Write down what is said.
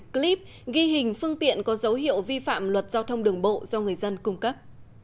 clip ghi hình phương tiện có dấu hiệu vi phạm luật giao thông đường bộ do người dân cung cấp